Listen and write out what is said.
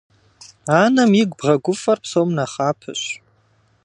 Анэм игу бгъэгуфӏэр псом нэхъапэщ.